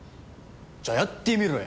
じゃあやってみろや！